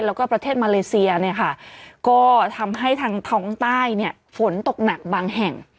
แล้วก็ประเทศมาเลเซียเนี่ยค่ะก็ทำให้ทางท้องใต้เนี่ยฝนตกหนักบางแห่ง